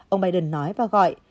ông biden nói và gọi